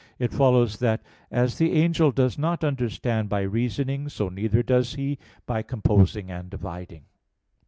iv), it follows that as the angel does not understand by reasoning, so neither does he by composing and dividing.